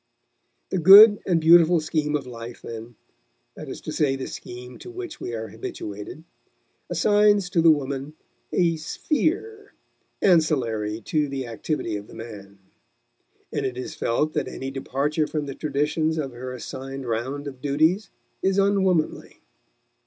The good and beautiful scheme of life, then that is to say the scheme to which we are habituated assigns to the woman a "sphere" ancillary to the activity of the man; and it is felt that any departure from the traditions of her assigned round of duties is unwomanly.